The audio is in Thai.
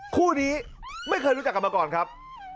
คู่นี้ไม่เคยรู้จักกันมาก่อนครับ